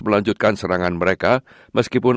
melanjutkan serangan mereka meskipun